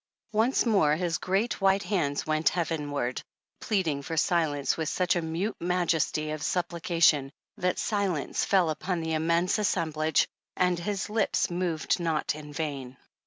Once more his great white hands went heavenward, pleading for silence with such a mute majesty of sup plication, that silence fell upon the immense assem b)lage, and his lips moved not in vain.